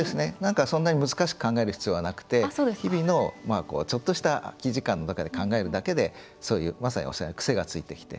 そんなに難しく考える必要はなくて、日々のちょっとした空き時間の中で考えるだけで、まさにおっしゃるように癖がついてきて。